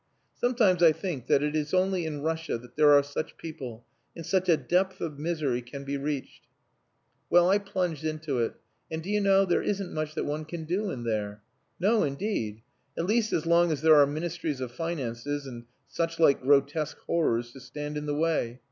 Sometimes I think that it is only in Russia that there are such people and such a depth of misery can be reached. Well, I plunged into it, and do you know there isn't much that one can do in there. No, indeed at least as long as there are Ministries of Finances and such like grotesque horrors to stand in the way.